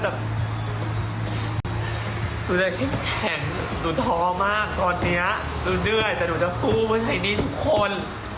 ดูแบบแข็งดูท้อมากตอนเนี้ยดูเดื่อยแต่ดูจะสู้เพื่อใช้ดีทุกคน